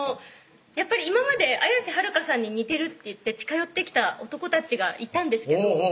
やっぱり今まで「綾瀬はるかさんに似てる」って言って近寄ってきた男たちがいたんですけど